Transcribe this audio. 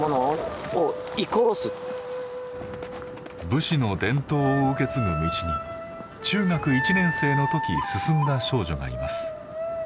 武士の伝統を受け継ぐ道に中学１年生の時進んだ少女がいます。